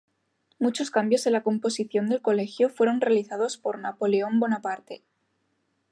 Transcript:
Muchos cambios en la composición del colegio fueron realizados por Napoleón Bonaparte.